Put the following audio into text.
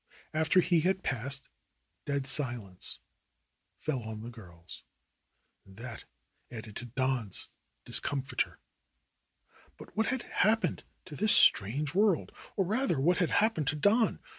After he had passed, dead silence fell on the girls, and that added to Don's discomfiture. What had happened to this strange world, or rather what had happened to Don?